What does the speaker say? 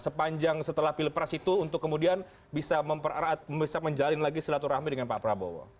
sepanjang setelah pilpres itu untuk kemudian bisa menjalin lagi silaturahmi dengan pak prabowo